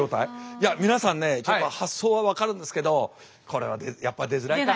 いや皆さんね発想は分かるんですけどこれはやっぱり出づらいか。